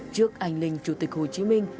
trước ảnh linh chủ tịch hồ chí minh